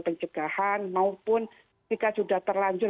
pencegahan maupun jika sudah terlanjur